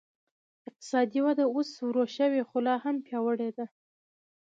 اقتصادي وده اوس ورو شوې خو لا هم پیاوړې ده.